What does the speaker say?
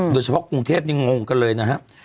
โดยเฉพาะกรุงเทพยังงงกันเลยนะครับ